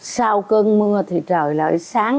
sau cơn mưa thì trời lại sáng